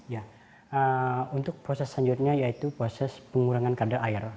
ya untuk proses selanjutnya yaitu proses pengurangan kadar air